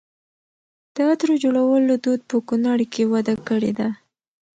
د عطرو جوړولو دود په کونړ کې وده کړې ده.